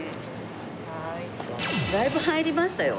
だいぶ入りましたよ。